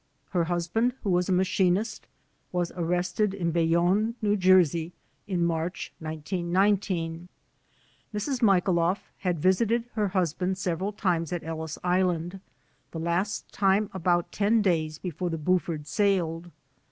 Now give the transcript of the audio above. Her husband, who was a machinist, was arrested in Bayonne, N. J., in March, 1919. Mrs. Michailoff had visited her husband several times at Ellis Island, the last time about ten days before the "Buford" sailed.